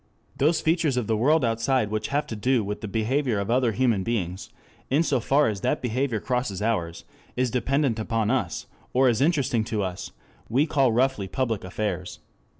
Those features of the world outside which have to do with the behavior of other human beings, in so far as that behavior crosses ours, is dependent upon us, or is interesting to us, we call roughly public affairs.